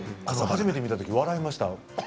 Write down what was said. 初めて見たとき笑いました。